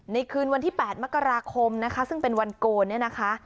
คืนวันที่๘มกราคมนะคะซึ่งเป็นวันโกนเนี่ยนะคะ